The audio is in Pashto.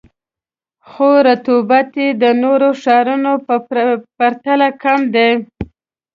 خو رطوبت یې د نورو ښارونو په پرتله کم دی.